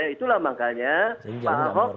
itulah makanya pak ahok